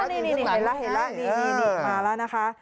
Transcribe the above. อ๋อนี่เห็นแล้วนี่หาแล้วนะคะ